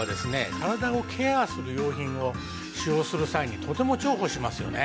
体をケアする用品を使用する際にとても重宝しますよね。